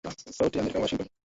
sauti ya Amerika Washington